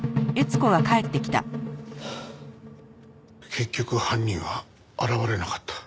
結局犯人は現れなかった。